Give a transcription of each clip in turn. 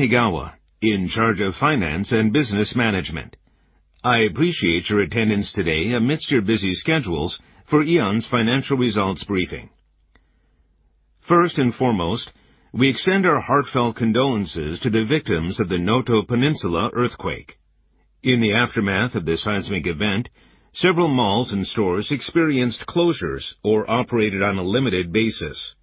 I'm Egawa, in charge of finance and business management. I appreciate your attendance today amidst your busy schedules for AEON's financial results briefing. First and foremost, we extend our heartfelt condolences to the victims of the Noto Peninsula earthquake. In the aftermath of the seismic event, several malls and stores experienced closures or operated on a limited basis.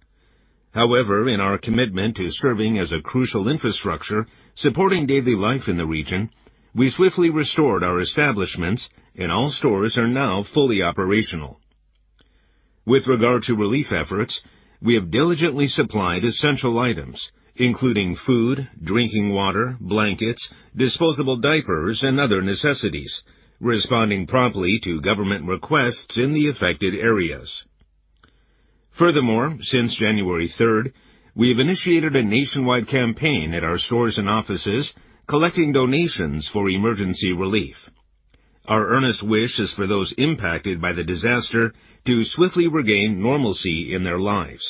However, in our commitment to serving as a crucial infrastructure supporting daily life in the region, we swiftly restored our establishments, and all stores are now fully operational. With regard to relief efforts, we have diligently supplied essential items, including food, drinking water, blankets, disposable diapers, and other necessities, responding promptly to government requests in the affected areas. Furthermore, since January third, we have initiated a nationwide campaign at our stores and offices, collecting donations for emergency relief. Our earnest wish is for those impacted by the disaster to swiftly regain normalcy in their lives.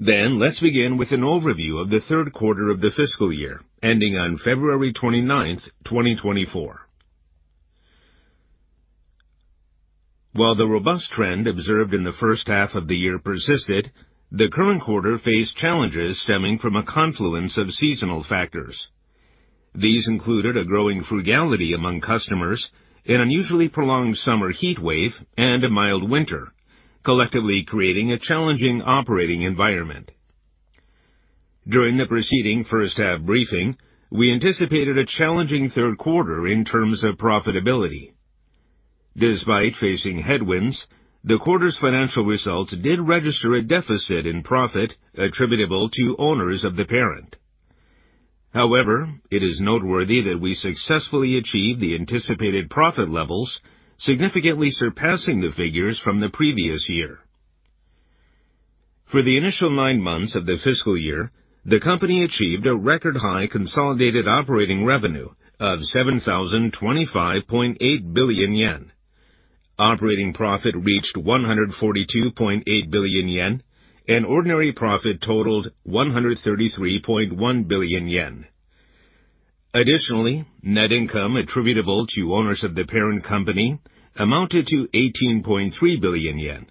Let's begin with an overview of the third quarter of the fiscal year, ending on February 29, 2024. While the robust trend observed in the first half of the year persisted, the current quarter faced challenges stemming from a confluence of seasonal factors. These included a growing frugality among customers, an unusually prolonged summer heat wave, and a mild winter, collectively creating a challenging operating environment. During the preceding first half briefing, we anticipated a challenging third quarter in terms of profitability. Despite facing headwinds, the quarter's financial results did register a deficit in profit attributable to owners of the parent. However, it is noteworthy that we successfully achieved the anticipated profit levels, significantly surpassing the figures from the previous year. For the initial nine months of the fiscal year, the company achieved a record high consolidated operating revenue of 7,025.8 billion yen. Operating profit reached 142.8 billion yen, and ordinary profit totaled 133.1 billion yen. Additionally, net income attributable to owners of the parent company amounted to 18.3 billion yen,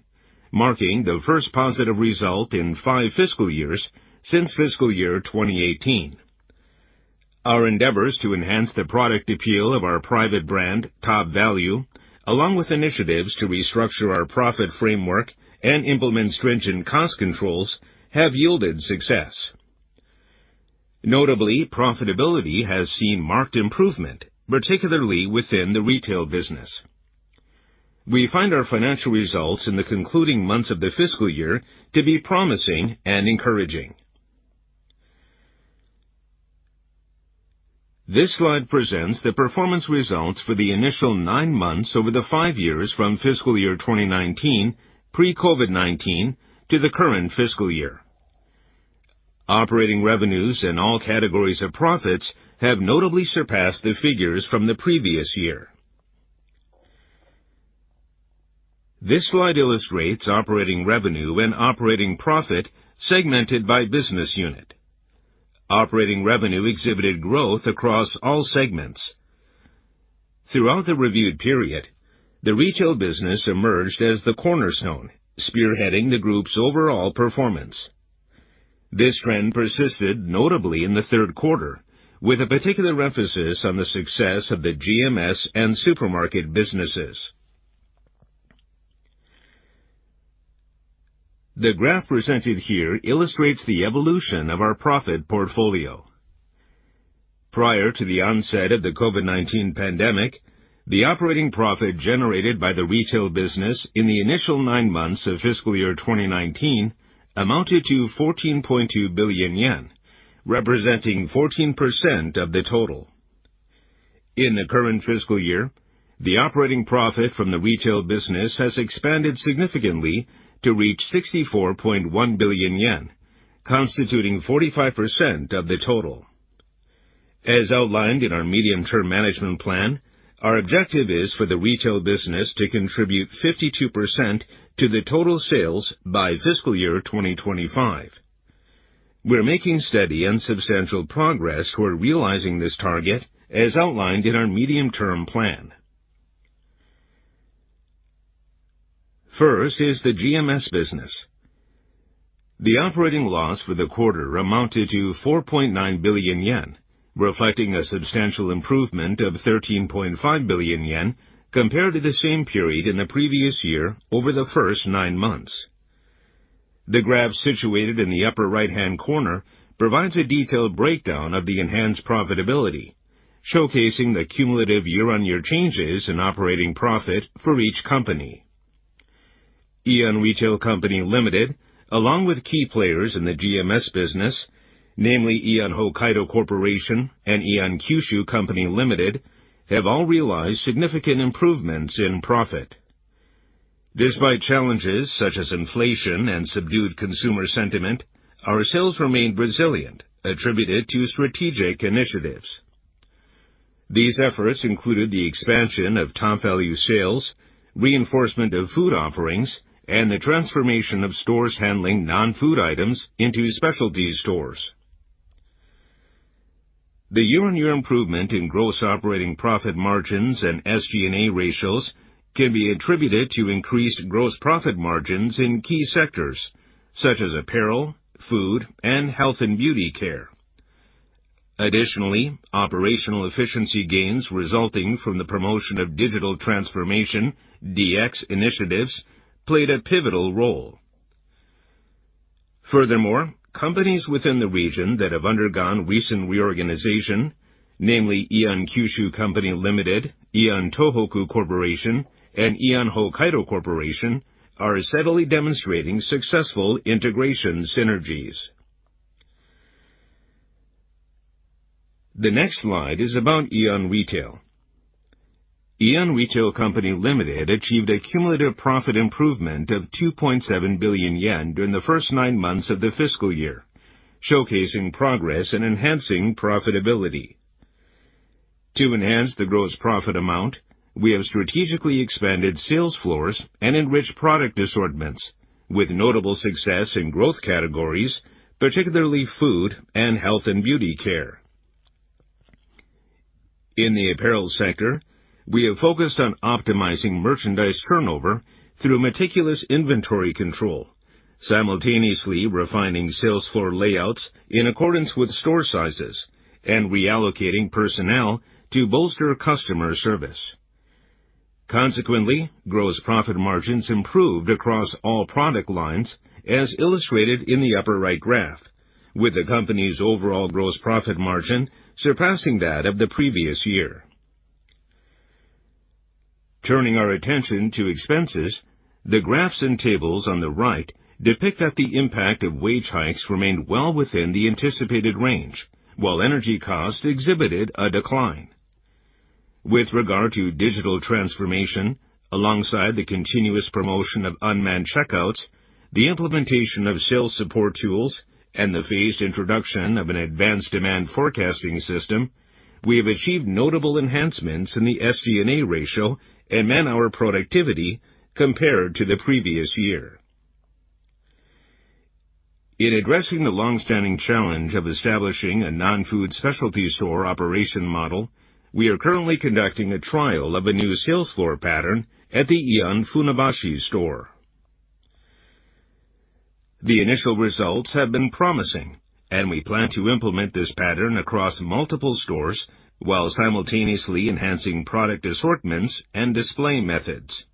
marking the first positive result in five fiscal years since fiscal year 2018. Our endeavors to enhance the product appeal of our private brand, TopValu, along with initiatives to restructure our profit framework and implement stringent cost controls, have yielded success. Notably, profitability has seen marked improvement, particularly within the retail business. We find our financial results in the concluding months of the fiscal year to be promising and encouraging. This slide presents the performance results for the initial nine months over the five years from fiscal year 2019, pre-COVID-19, to the current fiscal year. Operating revenues in all categories of profits have notably surpassed the figures from the previous year. This slide illustrates operating revenue and operating profit segmented by business unit. Operating revenue exhibited growth across all segments. Throughout the reviewed period, the retail business emerged as the cornerstone, spearheading the group's overall performance. This trend persisted notably in the third quarter, with a particular emphasis on the success of the GMS and supermarket businesses. The graph presented here illustrates the evolution of our profit portfolio. Prior to the onset of the COVID-19 pandemic, the operating profit generated by the retail business in the initial nine months of fiscal year 2019 amounted to 14.2 billion yen, representing 14% of the total. In the current fiscal year, the operating profit from the retail business has expanded significantly to reach 64.1 billion yen, constituting 45% of the total. As outlined in our medium-term management plan, our objective is for the retail business to contribute 52% to the total sales by fiscal year 2025. We're making steady and substantial progress toward realizing this target as outlined in our medium-term plan. First is the GMS business. The operating loss for the quarter amounted to 4.9 billion yen, reflecting a substantial improvement of 13.5 billion yen compared to the same period in the previous year over the first nine months. The graph situated in the upper right-hand corner provides a detailed breakdown of the enhanced profitability, showcasing the cumulative year-on-year changes in operating profit for each company. AEON Retail Co., Ltd., along with key players in the GMS business, namely AEON Hokkaido Corporation and AEON Kyushu Co., Ltd., have all realized significant improvements in profit. Despite challenges such as inflation and subdued consumer sentiment, our sales remained resilient, attributed to strategic initiatives…. These efforts included the expansion of TopValu sales, reinforcement of food offerings, and the transformation of stores handling non-food items into specialty stores. The year-on-year improvement in gross operating profit margins and SG&A ratios can be attributed to increased gross profit margins in key sectors such as apparel, food, and health and beauty care. Additionally, operational efficiency gains resulting from the promotion of digital transformation, DX initiatives, played a pivotal role. Furthermore, companies within the region that have undergone recent reorganization, namely AEON Kyushu Co., Ltd., AEON Tohoku Co., Ltd., and AEON Hokkaido Corporation, are steadily demonstrating successful integration synergies. The next slide is about AEON Retail. AEON Retail Co., Ltd. achieved a cumulative profit improvement of 2.7 billion yen during the first nine months of the fiscal year, showcasing progress in enhancing profitability. To enhance the gross profit amount, we have strategically expanded sales floors and enriched product assortments, with notable success in growth categories, particularly food and health and beauty care. In the apparel sector, we have focused on optimizing merchandise turnover through meticulous inventory control, simultaneously refining sales floor layouts in accordance with store sizes and reallocating personnel to bolster customer service. Consequently, gross profit margins improved across all product lines, as illustrated in the upper right graph, with the company's overall gross profit margin surpassing that of the previous year. Turning our attention to expenses, the graphs and tables on the right depict that the impact of wage hikes remained well within the anticipated range, while energy costs exhibited a decline. With regard to digital transformation, alongside the continuous promotion of unmanned checkouts, the implementation of sales support tools, and the phased introduction of an advanced demand forecasting system, we have achieved notable enhancements in the SG&A ratio and man-hour productivity compared to the previous year. In addressing the long-standing challenge of establishing a non-food specialty store operation model, we are currently conducting a trial of a new sales floor pattern at the AEON Funabashi store. The initial results have been promising, and we plan to implement this pattern across multiple stores while simultaneously enhancing product assortments and display methods.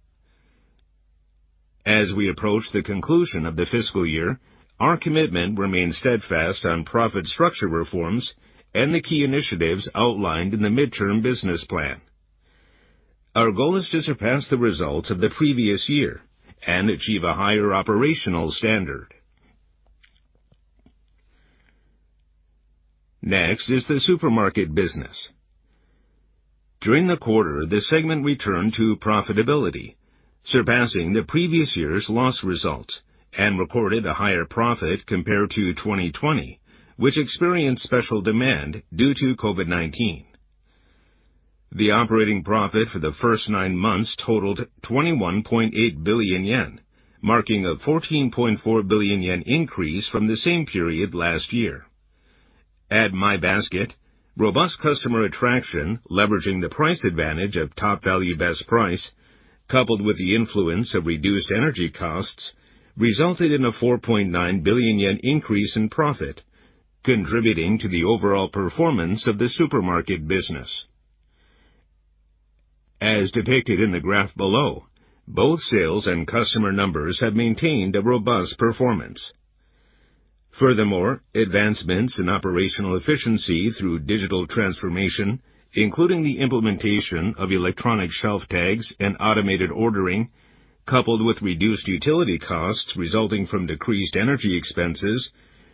As we approach the conclusion of the fiscal year, our commitment remains steadfast on profit structure reforms and the key initiatives outlined in the midterm business plan. Our goal is to surpass the results of the previous year and achieve a higher operational standard. Next is the supermarket business. During the quarter, the segment returned to profitability, surpassing the previous year's loss results, and recorded a higher profit compared to 2020, which experienced special demand due to COVID-19. The operating profit for the first nine months totaled 21.8 billion yen, marking a 14.4 billion yen increase from the same period last year. At My Basket, robust customer attraction, leveraging the price advantage of TopValu Best Price, coupled with the influence of reduced energy costs, resulted in a 4.9 billion yen increase in profit, contributing to the overall performance of the supermarket business. As depicted in the graph below, both sales and customer numbers have maintained a robust performance. Furthermore, advancements in operational efficiency through digital transformation, including the implementation of electronic shelf tags and automated ordering, coupled with reduced utility costs resulting from decreased energy expenses,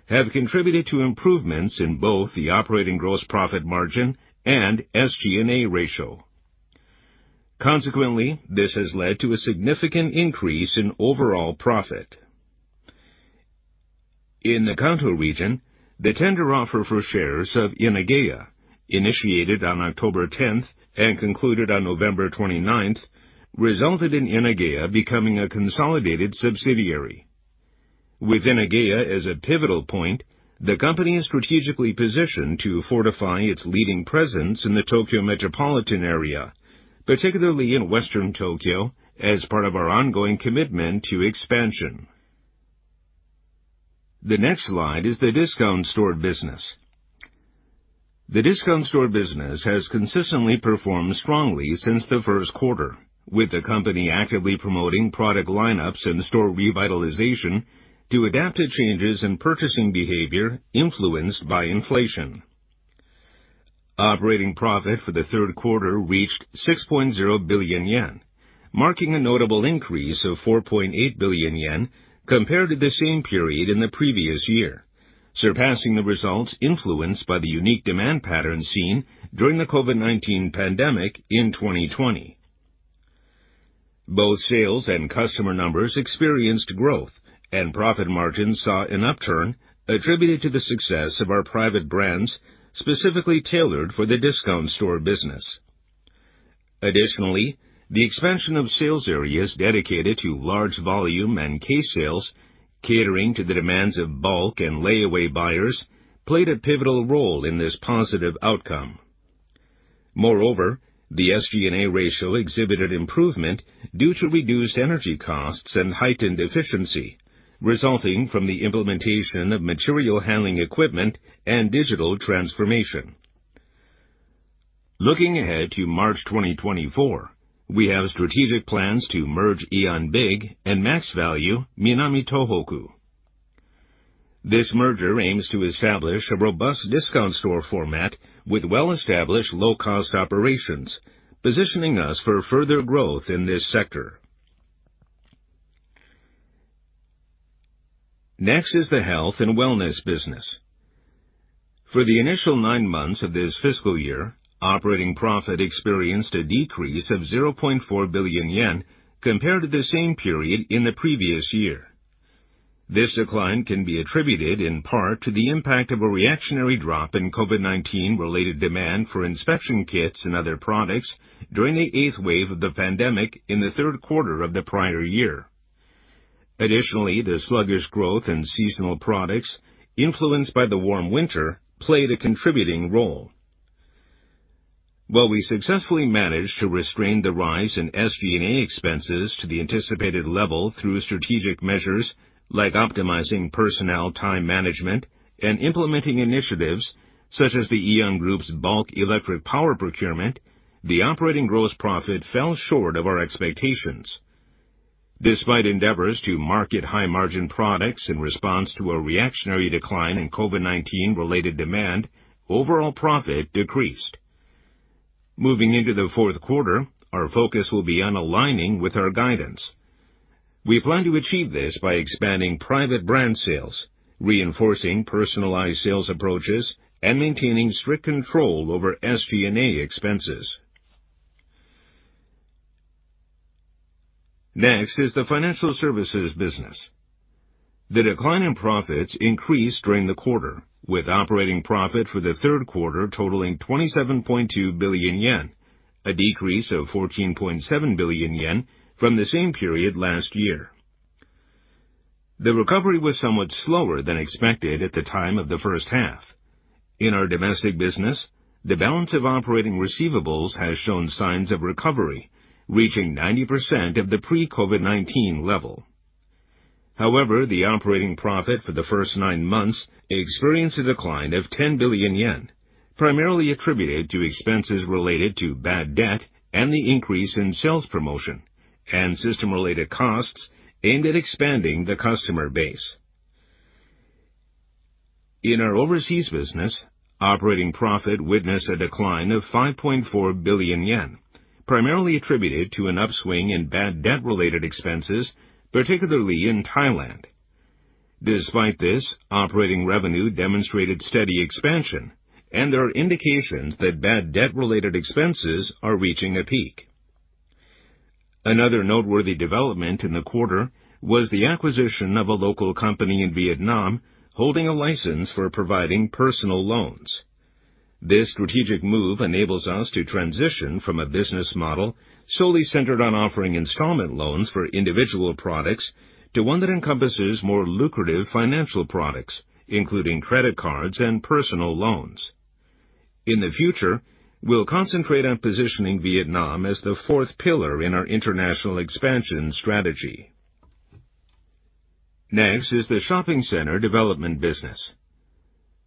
have contributed to improvements in both the operating gross profit margin and SG&A ratio. Consequently, this has led to a significant increase in overall profit. In the Kanto region, the tender offer for shares of Inageya, initiated on October 10 and concluded on November 29, resulted in Inageya becoming a consolidated subsidiary. With Inageya as a pivotal point, the company is strategically positioned to fortify its leading presence in the Tokyo metropolitan area, particularly in western Tokyo, as part of our ongoing commitment to expansion. The next slide is the discount store business. The discount store business has consistently performed strongly since the first quarter, with the company actively promoting product lineups and store revitalization to adapt to changes in purchasing behavior influenced by inflation. Operating profit for the third quarter reached 6.0 billion yen, marking a notable increase of 4.8 billion yen compared to the same period in the previous year, surpassing the results influenced by the unique demand pattern seen during the COVID-19 pandemic in 2020.... Both sales and customer numbers experienced growth, and profit margins saw an upturn attributed to the success of our private brands, specifically tailored for the discount store business. Additionally, the expansion of sales areas dedicated to large volume and case sales, catering to the demands of bulk and layaway buyers, played a pivotal role in this positive outcome. Moreover, the SG&A ratio exhibited improvement due to reduced energy costs and heightened efficiency, resulting from the implementation of material handling equipment and digital transformation. Looking ahead to March 2024, we have strategic plans to merge AEON BIG and Maxvalu Minami Tohoku. This merger aims to establish a robust discount store format with well-established low-cost operations, positioning us for further growth in this sector. Next is the health and wellness business. For the initial nine months of this fiscal year, operating profit experienced a decrease of 0.4 billion yen compared to the same period in the previous year. This decline can be attributed in part to the impact of a reactionary drop in COVID-19 related demand for inspection kits and other products during the eighth wave of the pandemic in the third quarter of the prior year. Additionally, the sluggish growth in seasonal products influenced by the warm winter played a contributing role. While we successfully managed to restrain the rise in SG&A expenses to the anticipated level through strategic measures like optimizing personnel time management and implementing initiatives such as the AEON Group's bulk electric power procurement, the operating gross profit fell short of our expectations. Despite endeavors to market high-margin products in response to a reactionary decline in COVID-19 related demand, overall profit decreased. Moving into the fourth quarter, our focus will be on aligning with our guidance. We plan to achieve this by expanding private brand sales, reinforcing personalized sales approaches, and maintaining strict control over SG&A expenses. Next is the financial services business. The decline in profits increased during the quarter, with operating profit for the third quarter totaling 27.2 billion yen, a decrease of 14.7 billion yen from the same period last year. The recovery was somewhat slower than expected at the time of the first half. In our domestic business, the balance of operating receivables has shown signs of recovery, reaching 90% of the pre-COVID-19 level. However, the operating profit for the first nine months experienced a decline of 10 billion yen, primarily attributed to expenses related to bad debt and the increase in sales, promotion, and system-related costs aimed at expanding the customer base. In our overseas business, operating profit witnessed a decline of 5.4 billion yen, primarily attributed to an upswing in bad debt-related expenses, particularly in Thailand. Despite this, operating revenue demonstrated steady expansion, and there are indications that bad debt-related expenses are reaching a peak. Another noteworthy development in the quarter was the acquisition of a local company in Vietnam, holding a license for providing personal loans. This strategic move enables us to transition from a business model solely centered on offering installment loans for individual products, to one that encompasses more lucrative financial products, including credit cards and personal loans. In the future, we'll concentrate on positioning Vietnam as the fourth pillar in our international expansion strategy. Next is the shopping center development business.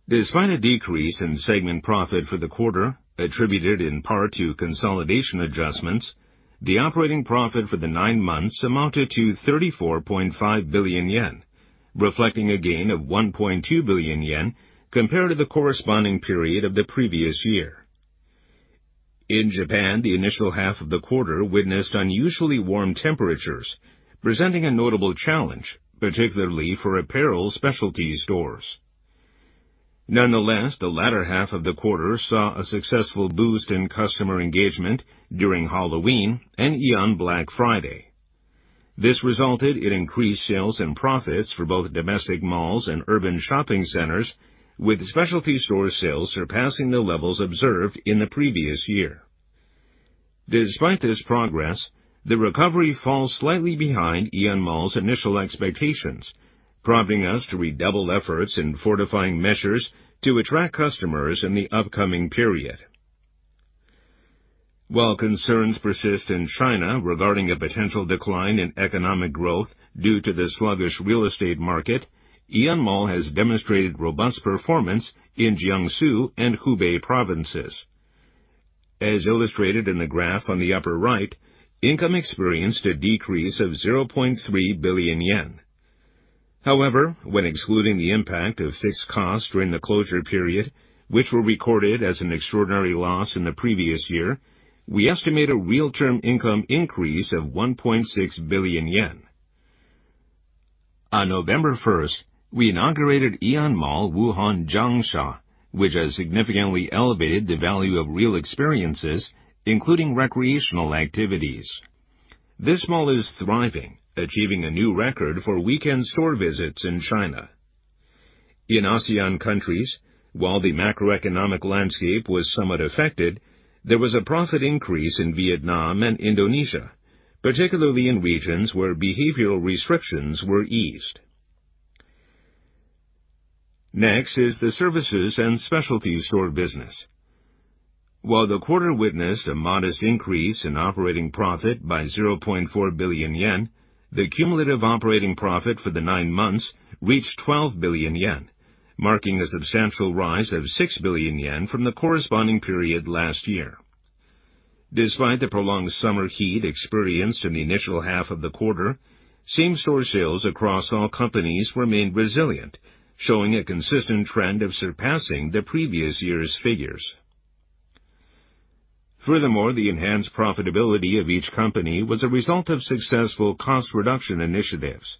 Despite a decrease in segment profit for the quarter, attributed in part to consolidation adjustments, the operating profit for the nine months amounted to 34.5 billion yen, reflecting a gain of 1.2 billion yen compared to the corresponding period of the previous year. In Japan, the initial half of the quarter witnessed unusually warm temperatures, presenting a notable challenge, particularly for apparel specialty stores. Nonetheless, the latter half of the quarter saw a successful boost in customer engagement during Halloween and AEON Black Friday. This resulted in increased sales and profits for both domestic malls and urban shopping centers, with specialty store sales surpassing the levels observed in the previous year. Despite this progress, the recovery falls slightly behind AEON Mall's initial expectations, prompting us to redouble efforts in fortifying measures to attract customers in the upcoming period. While concerns persist in China regarding a potential decline in economic growth due to the sluggish real estate market, AEON Mall has demonstrated robust performance in Jiangsu and Hubei provinces. As illustrated in the graph on the upper right, income experienced a decrease of 0.3 billion yen. However, when excluding the impact of fixed costs during the closure period, which were recorded as an extraordinary loss in the previous year, we estimate a real-term income increase of 1.6 billion yen. On November 1st, we inaugurated AEON Mall Wuhan Jiangxia, which has significantly elevated the value of real experiences, including recreational activities. This mall is thriving, achieving a new record for weekend store visits in China. In ASEAN countries, while the macroeconomic landscape was somewhat affected, there was a profit increase in Vietnam and Indonesia, particularly in regions where behavioral restrictions were eased. Next is the services and specialty store business. While the quarter witnessed a modest increase in operating profit by 0.4 billion yen, the cumulative operating profit for the nine months reached 12 billion yen, marking a substantial rise of 6 billion yen from the corresponding period last year. Despite the prolonged summer heat experienced in the initial half of the quarter, same-store sales across all companies remained resilient, showing a consistent trend of surpassing the previous year's figures. Furthermore, the enhanced profitability of each company was a result of successful cost reduction initiatives.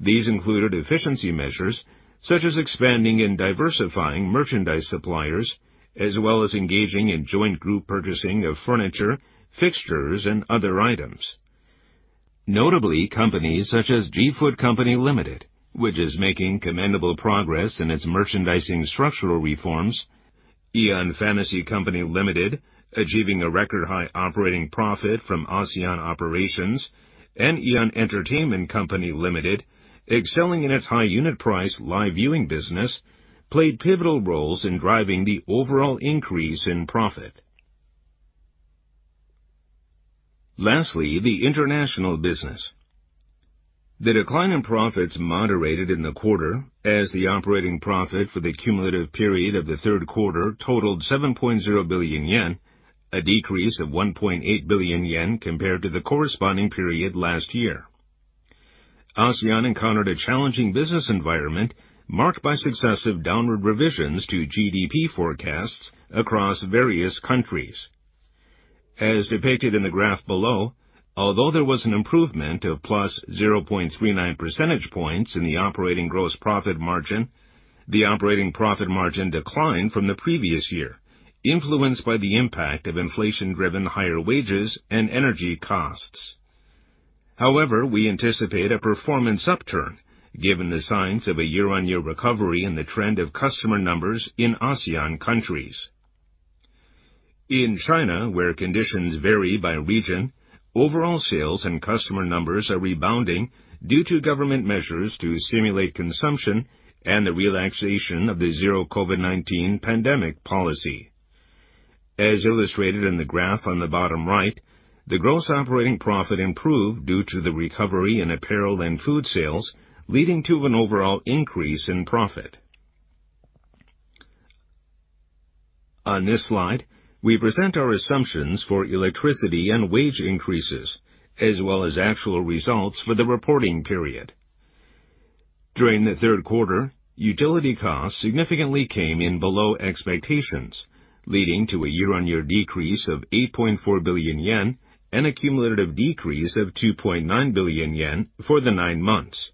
These included efficiency measures, such as expanding and diversifying merchandise suppliers, as well as engaging in joint group purchasing of furniture, fixtures, and other items. Notably, companies such asG-Foot Co., Ltd. which is making commendable progress in its merchandising structural reforms, AEON Fantasy Co., Ltd., achieving a record-high operating profit from ASEAN operations, and AEON Entertainment Co., Ltd., excelling in its high unit price live viewing business, played pivotal roles in driving the overall increase in profit. Lastly, the international business. The decline in profits moderated in the quarter as the operating profit for the cumulative period of the third quarter totaled 7.0 billion yen, a decrease of 1.8 billion yen compared to the corresponding period last year. ASEAN encountered a challenging business environment marked by successive downward revisions to GDP forecasts across various countries. As depicted in the graph below, although there was an improvement of +0.39 percentage points in the operating gross profit margin, the operating profit margin declined from the previous year, influenced by the impact of inflation-driven higher wages and energy costs. However, we anticipate a performance upturn given the signs of a year-on-year recovery in the trend of customer numbers in ASEAN countries. In China, where conditions vary by region, overall sales and customer numbers are rebounding due to government measures to stimulate consumption and the relaxation of the zero COVID-19 pandemic policy. As illustrated in the graph on the bottom right, the gross operating profit improved due to the recovery in apparel and food sales, leading to an overall increase in profit. On this slide, we present our assumptions for electricity and wage increases, as well as actual results for the reporting period. During the third quarter, utility costs significantly came in below expectations, leading to a year-on-year decrease of 8.4 billion yen and a cumulative decrease of 2.9 billion yen for the nine months.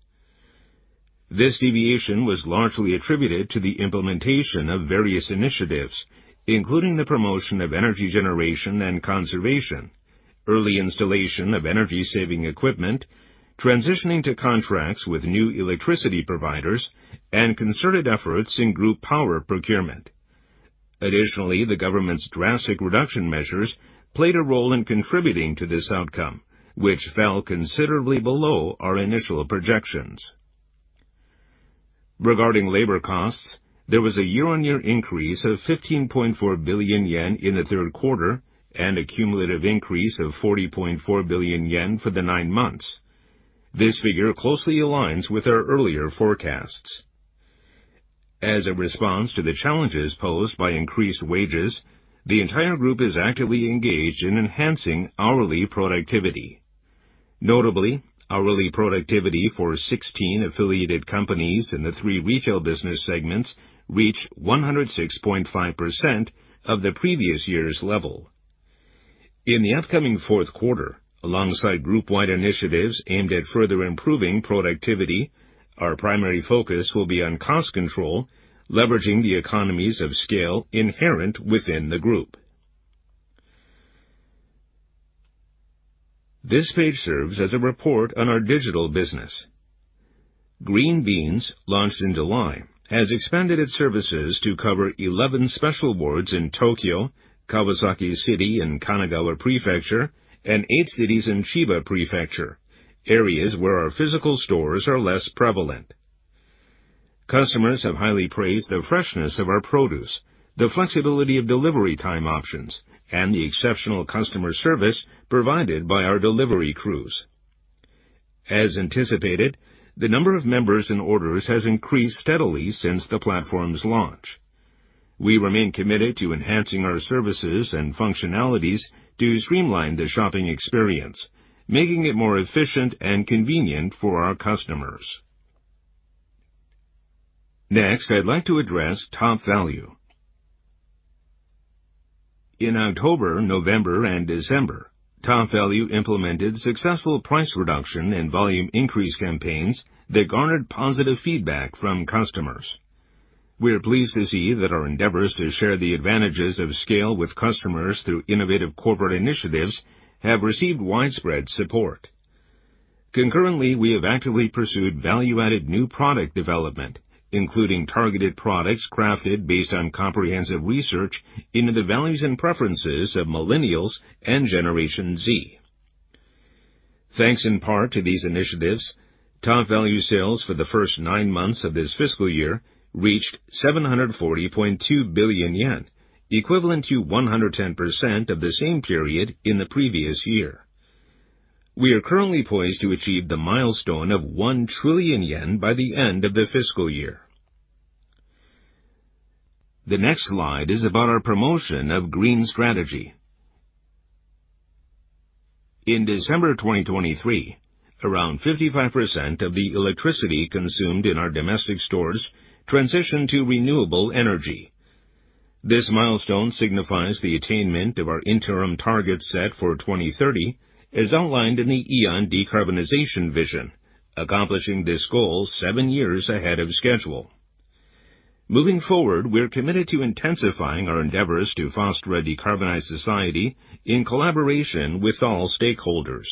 This deviation was largely attributed to the implementation of various initiatives, including the promotion of energy generation and conservation, early installation of energy-saving equipment, transitioning to contracts with new electricity providers, and concerted efforts in group power procurement. Additionally, the government's drastic reduction measures played a role in contributing to this outcome, which fell considerably below our initial projections. Regarding labor costs, there was a year-on-year increase of 15.4 billion yen in the third quarter and a cumulative increase of 40.4 billion yen for the nine months. This figure closely aligns with our earlier forecasts. As a response to the challenges posed by increased wages, the entire group is actively engaged in enhancing hourly productivity. Notably, hourly productivity for 16 affiliated companies in the three retail business segments reached 106.5% of the previous year's level. In the upcoming fourth quarter, alongside group-wide initiatives aimed at further improving productivity, our primary focus will be on cost control, leveraging the economies of scale inherent within the group. This page serves as a report on our digital business. Green Beans, launched in July, has expanded its services to cover 11 special wards in Tokyo, Kawasaki City in Kanagawa Prefecture, and 8 cities in Chiba Prefecture, areas where our physical stores are less prevalent. Customers have highly praised the freshness of our produce, the flexibility of delivery time options, and the exceptional customer service provided by our delivery crews. As anticipated, the number of members and orders has increased steadily since the platform's launch. We remain committed to enhancing our services and functionalities to streamline the shopping experience, making it more efficient and convenient for our customers. Next, I'd like to address TopValu.... In October, November, and December, TopValu implemented successful price reduction and volume increase campaigns that garnered positive feedback from customers. We are pleased to see that our endeavors to share the advantages of scale with customers through innovative corporate initiatives have received widespread support. Concurrently, we have actively pursued value-added new product development, including targeted products crafted based on comprehensive research into the values and preferences of Millennials and Generation Z. Thanks in part to these initiatives, TopValu sales for the first nine months of this fiscal year reached 740.2 billion yen, equivalent to 110% of the same period in the previous year. We are currently poised to achieve the milestone of 1 trillion yen by the end of the fiscal year. The next slide is about our promotion of green strategy. In December 2023, around 55% of the electricity consumed in our domestic stores transitioned to renewable energy. This milestone signifies the attainment of our interim target set for 2030, as outlined in the AEON Decarbonization Vision, accomplishing this goal seven years ahead of schedule. Moving forward, we're committed to intensifying our endeavors to foster a decarbonized society in collaboration with all stakeholders.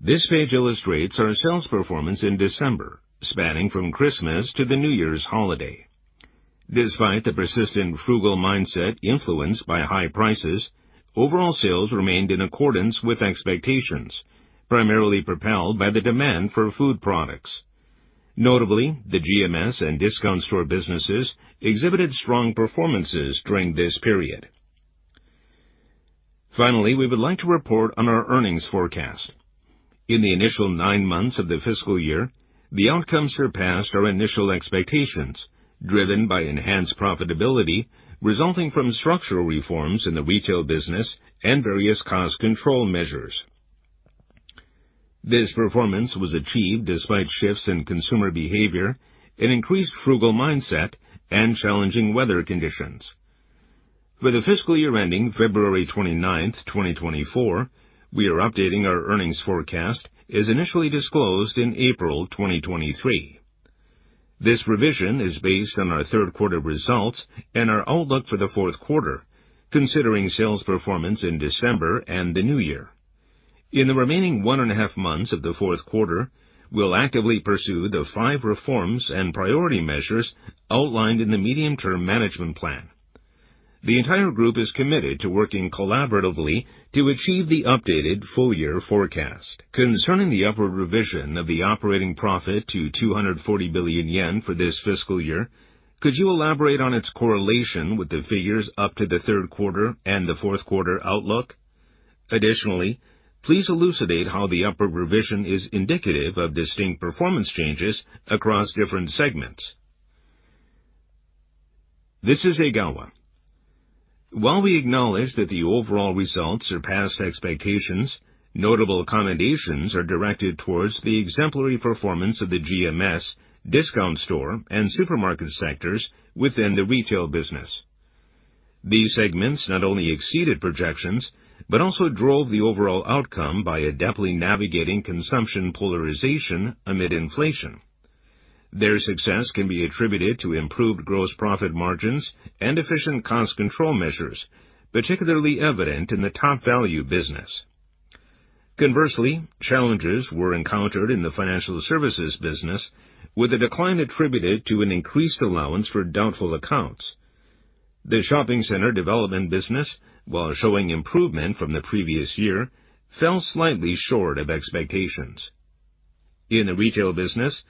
This page illustrates our sales performance in December, spanning from Christmas to the New Year's holiday. Despite the persistent frugal mindset influenced by high prices, overall sales remained in accordance with expectations, primarily propelled by the demand for food products. Notably, the GMS and discount store businesses exhibited strong performances during this period. Finally, we would like to report on our earnings forecast. In the initial 9 months of the fiscal year, the outcome surpassed our initial expectations, driven by enhanced profitability resulting from structural reforms in the retail business and various cost control measures. This performance was achieved despite shifts in consumer behavior, an increased frugal mindset, and challenging weather conditions. For the fiscal year ending February 29, 2024, we are updating our earnings forecast as initially disclosed in April 2023. This revision is based on our third quarter results and our outlook for the fourth quarter, considering sales performance in December and the new year. In the remaining one and a half months of the fourth quarter, we'll actively pursue the five reforms and priority measures outlined in the medium-term management plan. The entire group is committed to working collaboratively to achieve the updated full-year forecast. Concerning the upward revision of the operating profit to 240 billion yen for this fiscal year, could you elaborate on its correlation with the figures up to the third quarter and the fourth quarter outlook? Additionally, please elucidate how the upward revision is indicative of distinct performance changes across different segments. This is Egawa. While we acknowledge that the overall results surpassed expectations, notable accommodations are directed towards the exemplary performance of the GMS, discount store, and supermarket sectors within the retail business. These segments not only exceeded projections, but also drove the overall outcome by adeptly navigating consumption polarization amid inflation. Their success can be attributed to improved gross profit margins and efficient cost control measures, particularly evident in the TopValu business. Conversely, challenges were encountered in the financial services business, with a decline attributed to an increased allowance for doubtful accounts. The shopping center development business, while showing improvement from the previous year, fell slightly short of expectations. In the retail business,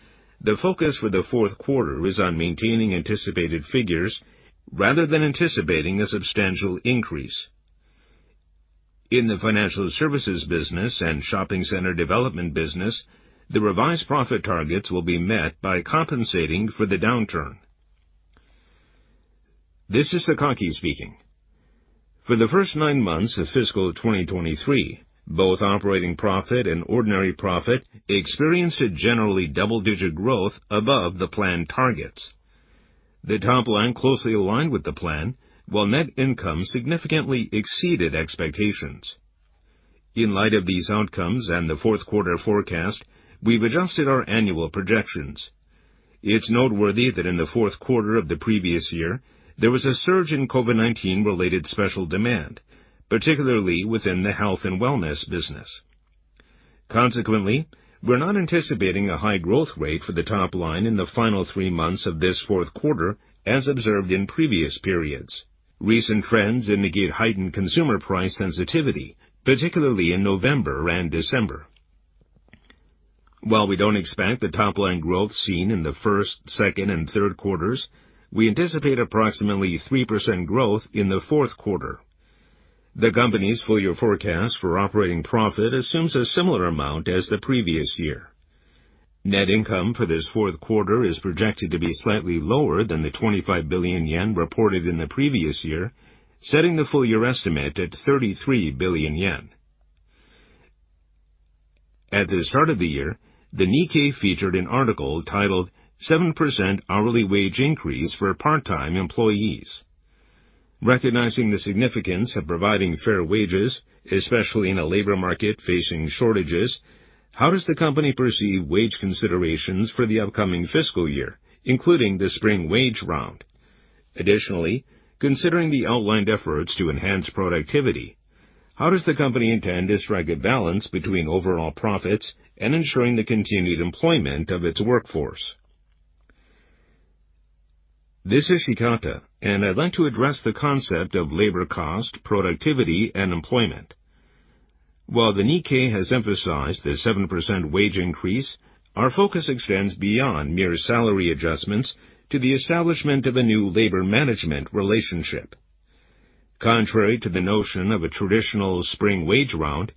the focus for the fourth quarter is on maintaining anticipated figures rather than anticipating a substantial increase. In the financial services business and shopping center development business, the revised profit targets will be met by compensating for the downturn. This is Sakaki speaking. For the first nine months of fiscal 2023, both operating profit and ordinary profit experienced a generally double-digit growth above the planned targets. The top line closely aligned with the plan, while net income significantly exceeded expectations. In light of these outcomes and the fourth quarter forecast, we've adjusted our annual projections. It's noteworthy that in the fourth quarter of the previous year, there was a surge in COVID-19 related special demand, particularly within the health and wellness business. Consequently, we're not anticipating a high growth rate for the top line in the final three months of this fourth quarter, as observed in previous periods. Recent trends indicate heightened consumer price sensitivity, particularly in November and December. While we don't expect the top line growth seen in the first, second, and third quarters, we anticipate approximately 3% growth in the fourth quarter. The company's full year forecast for operating profit assumes a similar amount as the previous year. Net income for this fourth quarter is projected to be slightly lower than the 25 billion yen reported in the previous year, setting the full year estimate at 33 billion yen. At the start of the year, the Nikkei featured an article titled "7% Hourly Wage Increase for Part-Time Employees." Recognizing the significance of providing fair wages, especially in a labor market facing shortages, how does the company perceive wage considerations for the upcoming fiscal year, including the spring wage round? Additionally, considering the outlined efforts to enhance productivity, how does the company intend to strike a balance between overall profits and ensuring the continued employment of its workforce? This is Shibata, and I'd like to address the concept of labor cost, productivity, and employment. While the Nikkei has emphasized the 7% wage increase, our focus extends beyond mere salary adjustments to the establishment of a new labor management relationship. Contrary to the notion of a traditional spring wage round,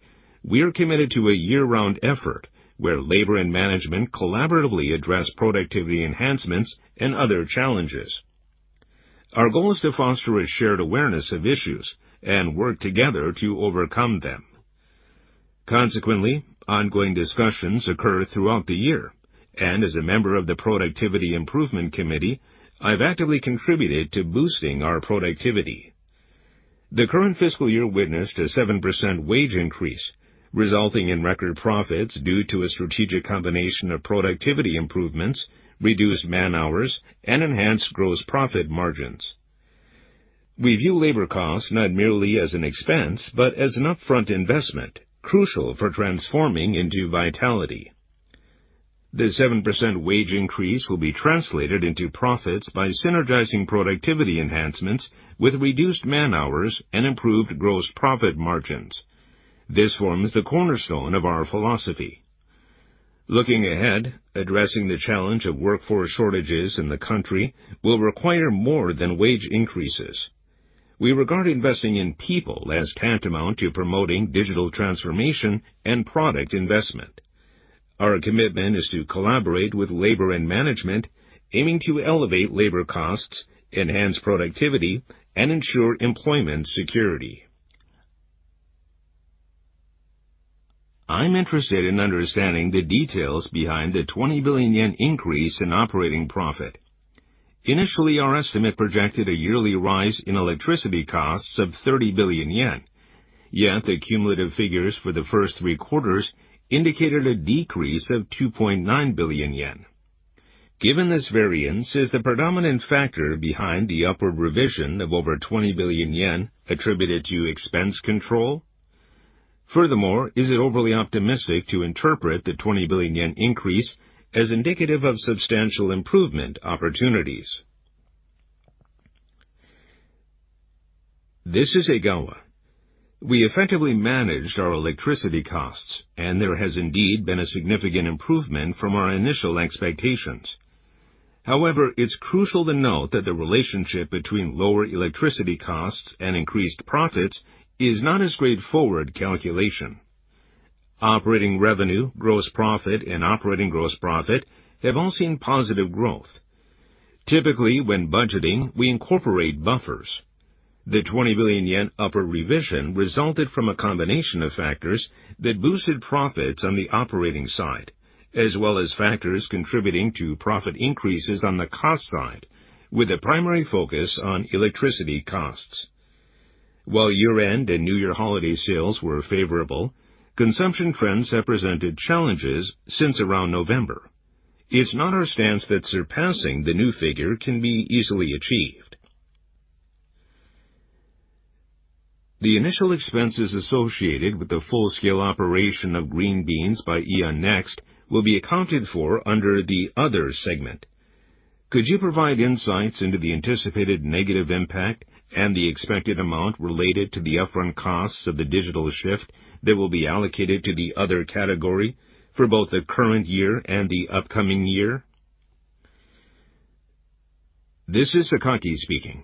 we are committed to a year-round effort where labor and management collaboratively address productivity enhancements and other challenges. Our goal is to foster a shared awareness of issues and work together to overcome them. Consequently, ongoing discussions occur throughout the year, and as a member of the Productivity Improvement Committee, I've actively contributed to boosting our productivity. The current fiscal year witnessed a 7% wage increase, resulting in record profits due to a strategic combination of productivity improvements, reduced man-hours, and enhanced gross profit margins. We view labor costs not merely as an expense, but as an upfront investment crucial for transforming into vitality. The 7% wage increase will be translated into profits by synergizing productivity enhancements with reduced man-hours and improved gross profit margins. This forms the cornerstone of our philosophy. Looking ahead, addressing the challenge of workforce shortages in the country will require more than wage increases. We regard investing in people as tantamount to promoting digital transformation and product investment. Our commitment is to collaborate with labor and management, aiming to elevate labor costs, enhance productivity, and ensure employment security. I'm interested in understanding the details behind the 20 billion yen increase in operating profit. Initially, our estimate projected a yearly rise in electricity costs of 30 billion yen. Yet the cumulative figures for the first three quarters indicated a decrease of 2.9 billion yen. Given this variance, is the predominant factor behind the upward revision of over 20 billion yen attributed to expense control? Furthermore, is it overly optimistic to interpret the 20 billion yen increase as indicative of substantial improvement opportunities? This is Egawa. We effectively managed our electricity costs, and there has indeed been a significant improvement from our initial expectations. However, it's crucial to note that the relationship between lower electricity costs and increased profits is not a straightforward calculation. Operating revenue, gross profit, and operating gross profit have all seen positive growth. Typically, when budgeting, we incorporate buffers. The 20 billion yen upper revision resulted from a combination of factors that boosted profits on the operating side, as well as factors contributing to profit increases on the cost side, with a primary focus on electricity costs. While year-end and New Year holiday sales were favorable, consumption trends have presented challenges since around November. It's not our stance that surpassing the new figure can be easily achieved. The initial expenses associated with the full-scale operation of Green Beans by AEON Next will be accounted for under the other segment. Could you provide insights into the anticipated negative impact and the expected amount related to the upfront costs of the digital shift that will be allocated to the other category for both the current year and the upcoming year? This is Sakaki speaking.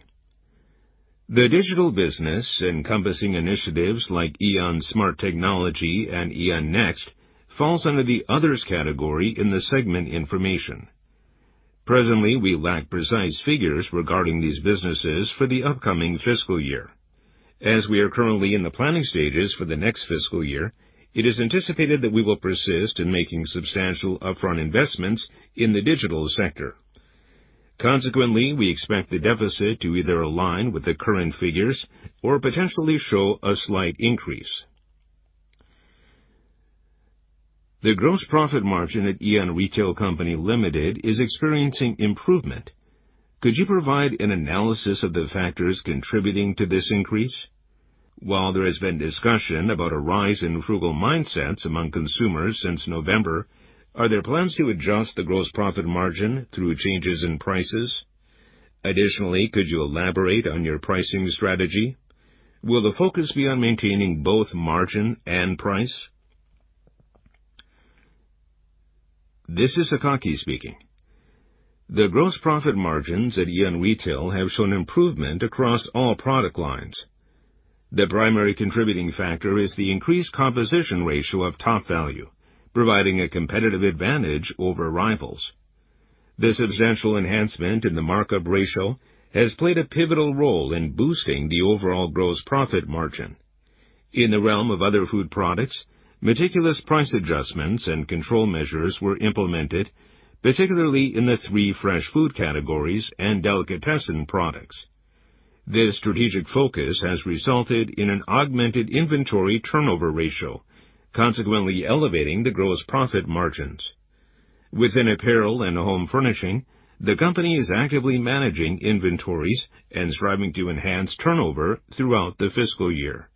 The digital business, encompassing initiatives like AEON Smart Technology and AEON Next, falls under the others category in the segment information. Presently, we lack precise figures regarding these businesses for the upcoming fiscal year. As we are currently in the planning stages for the next fiscal year, it is anticipated that we will persist in making substantial upfront investments in the digital sector. Consequently, we expect the deficit to either align with the current figures or potentially show a slight increase. The gross profit margin at AEON Retail Co., Ltd. is experiencing improvement. Could you provide an analysis of the factors contributing to this increase? While there has been discussion about a rise in frugal mindsets among consumers since November, are there plans to adjust the gross profit margin through changes in prices? Additionally, could you elaborate on your pricing strategy? Will the focus be on maintaining both margin and price? This is Sakaki speaking. The gross profit margins at AEON Retail have shown improvement across all product lines. The primary contributing factor is the increased composition ratio of TopValu, providing a competitive advantage over rivals... The substantial enhancement in the markup ratio has played a pivotal role in boosting the overall gross profit margin. In the realm of other food products, meticulous price adjustments and control measures were implemented, particularly in the three fresh food categories and delicatessen products. This strategic focus has resulted in an augmented inventory turnover ratio, consequently elevating the gross profit margins. Within apparel and home furnishing, the company is actively managing inventories and striving to enhance turnover throughout the fiscal year.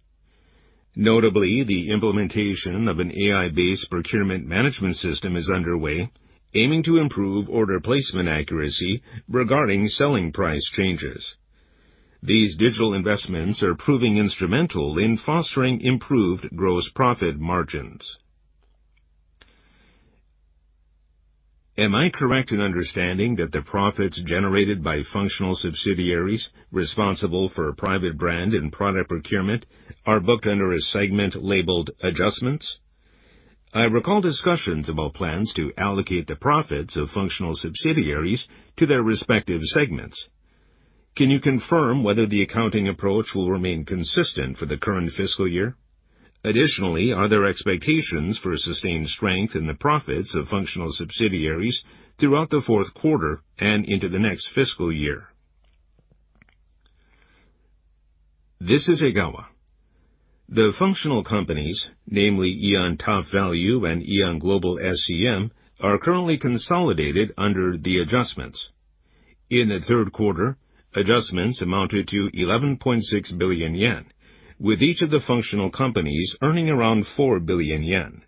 Notably, the implementation of an AI-based procurement management system is underway, aiming to improve order placement accuracy regarding selling price changes. These digital investments are proving instrumental in fostering improved gross profit margins. Am I correct in understanding that the profits generated by functional subsidiaries responsible for private brand and product procurement are booked under a segment labeled Adjustments? I recall discussions about plans to allocate the profits of functional subsidiaries to their respective segments. Can you confirm whether the accounting approach will remain consistent for the current fiscal year? Additionally, are there expectations for sustained strength in the profits of functional subsidiaries throughout the fourth quarter and into the next fiscal year? This is Egawa. The functional companies, namely AEON TopValu and AEON Global SCM, are currently consolidated under the Adjustments. In the third quarter, adjustments amounted to 11.6 billion yen, with each of the functional companies earning around 4 billion yen.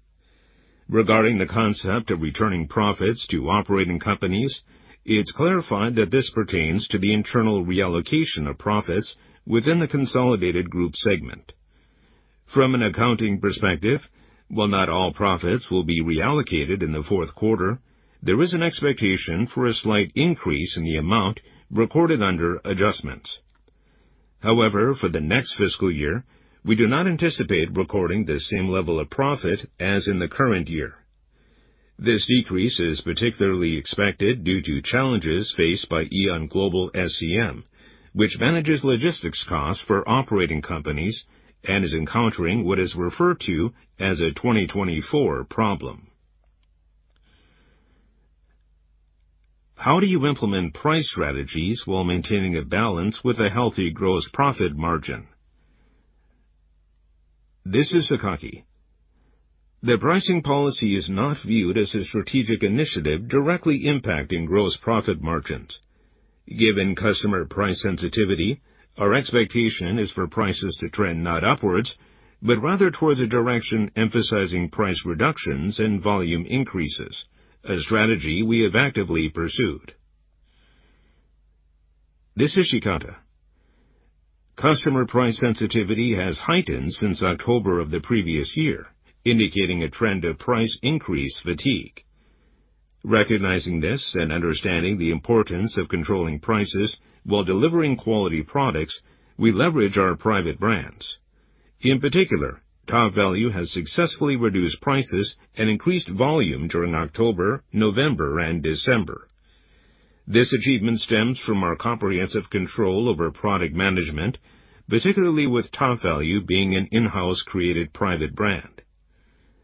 Regarding the concept of returning profits to operating companies, it's clarified that this pertains to the internal reallocation of profits within the consolidated group segment. From an accounting perspective, while not all profits will be reallocated in the fourth quarter, there is an expectation for a slight increase in the amount recorded under Adjustments. However, for the next fiscal year, we do not anticipate recording the same level of profit as in the current year. This decrease is particularly expected due to challenges faced by AEON Global SCM, which manages logistics costs for operating companies and is encountering what is referred to as the 2024 Problem. How do you implement price strategies while maintaining a balance with a healthy gross profit margin? This is Sakaki. The pricing policy is not viewed as a strategic initiative directly impacting gross profit margins. Given customer price sensitivity, our expectation is for prices to trend not upwards, but rather towards a direction emphasizing price reductions and volume increases, a strategy we have actively pursued. This is Shibata. Customer price sensitivity has heightened since October of the previous year, indicating a trend of price increase fatigue. Recognizing this and understanding the importance of controlling prices while delivering quality products, we leverage our private brands. In particular, TopValu has successfully reduced prices and increased volume during October, November, and December. This achievement stems from our comprehensive control over product management, particularly with TopValu being an in-house created private brand.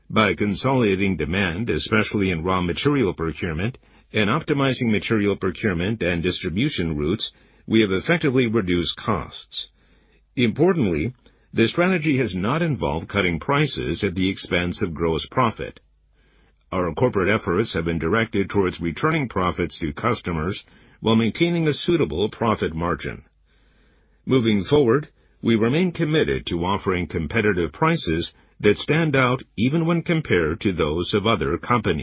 By consolidating demand, especially in raw material procurement and optimizing material procurement and distribution routes, we have effectively reduced costs. Importantly, this strategy has not involved cutting prices at the expense of gross profit. Our corporate efforts have been directed towards returning profits to customers while maintaining a suitable profit margin. Moving forward, we remain committed to offering competitive prices that stand out even when compared to those of other companies.